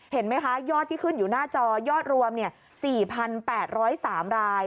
เห็นไหมคะยอดที่ขึ้นอยู่หน้าจอยอดรวม๔๘๐๓ราย